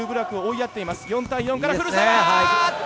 ４対４から古澤！